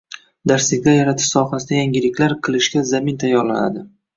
darsliklar yaratish sohasida yangiliklar qilishga zamin tayorlanadi;